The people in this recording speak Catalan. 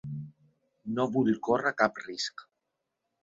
No vull córrer cap risc.